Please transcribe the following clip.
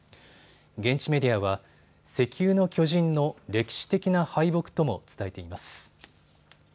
現地メディアは石油の巨人の歴史的な敗北とも伝えています。